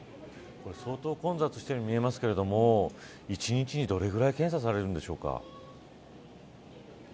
相当混雑しているように見えますが１日にどれぐらい検査されるんでしょうか。